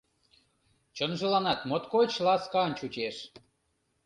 Чонжыланат моткоч ласкан чучеш.